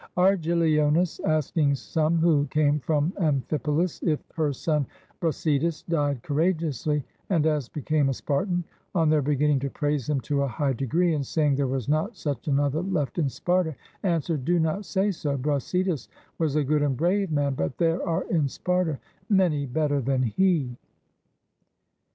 Argileonis, asking some who came from Amphipolis if her son Brasidas died courageously and as became a Spartan, on their beginning to praise him to a high degree, and saying there was not such another left in Sparta, answered, "Do not say so; Brasidas was a good and brave man, but there are in Sparta many better than he."